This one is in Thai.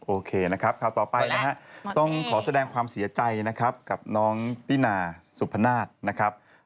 โอเคนะครับข่าวต่อไปนะฮะต้องขอแสดงความเสียใจนะครับกับน้องตินาสุพนาศนะครับ